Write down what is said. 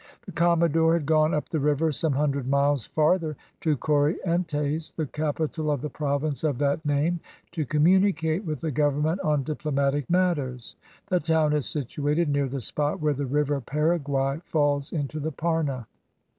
The commodore had gone up the river some hundred miles farther, to Corrientes, the capital of the province of that name, to communicate with the government on diplomatic matters. The town is situated near the spot where the river Paraguay falls into the Parna.